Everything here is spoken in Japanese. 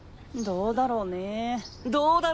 どうだろうね。